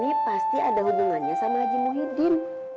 ini pasti ada hubungannya sama haji muhyiddin